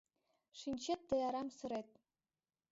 — Шинчет, тый арам сырет...